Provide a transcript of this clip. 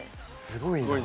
すごいな。